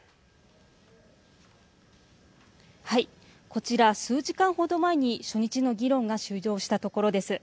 こちら数時間ほど前に初日の議論が終了したところです。